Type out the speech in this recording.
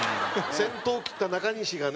先頭を切った中西がね。